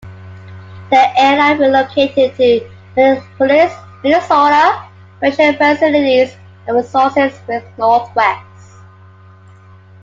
The airline relocated to Minneapolis, Minnesota, where it shared facilities and resources with Northwest.